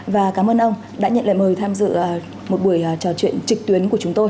và cảm ơn ông đã nhận lời mời tham dự một buổi trò chuyện trực tuyến của chúng tôi